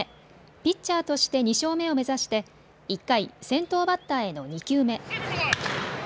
ピッチャーとして２勝目を目指して１回、先頭バッターへの２球目。